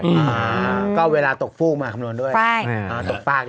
อ่าก็เวลาตกฟูกมาคำนวณด้วยตกฟากดีกว่า